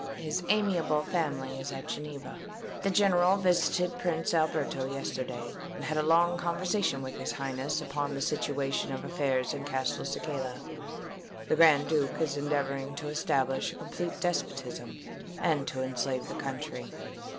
His amiable family is at Geneva. The general visited Prince Alberto yesterday, and had a long conversation with his Highness upon the situation of affairs in Castelcicala. The Grand Duke is endeavouring to establish a complete despotism, and to enslave the country.